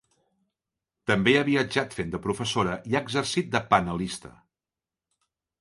També ha viatjat fent de professora i ha exercit de panelista.